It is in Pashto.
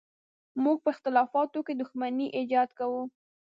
موږ په اختلافاتو کې د دښمنۍ ایجاد کوو.